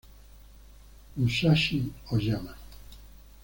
Musashi Oyama